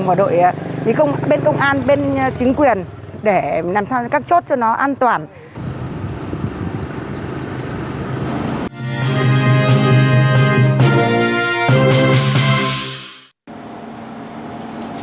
và đội bên công an bên chính quyền để làm sao các chốt cho nó an toàn